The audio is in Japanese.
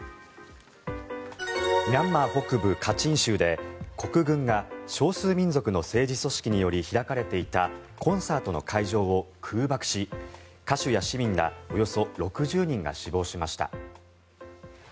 ミャンマー北部カチン州で国軍が少数民族の政治組織により開かれていたコンサートの会場を空爆し歌手や市民らおよそ６０人が死亡しました。